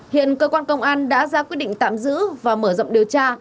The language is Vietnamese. hiện cơ quan công an đã ra quyết định tạm giữ và mở rộng điều tra